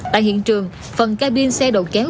tại hiện trường phần cabin xe đầu kéo